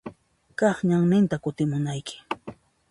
Kaq ñanninta kutimunayki.